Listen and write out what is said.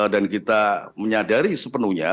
dan kita menyadari sepenuhnya